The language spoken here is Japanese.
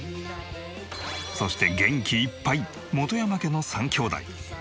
そして元気いっぱい本山家の３兄妹。